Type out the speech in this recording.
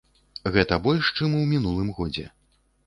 Гэта больш, чым у мінулым годзе.